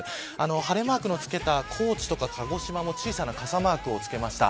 晴れークのつけた高知とか鹿児島も小さな傘マークをつけました。